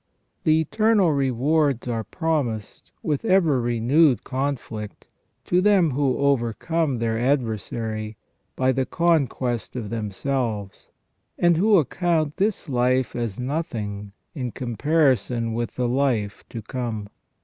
The eternal rewards are promised, with ever renewed conflict, to them who overcome their adversary by the conquest of them selves, and who account this life as nothing in comparison with the life to come.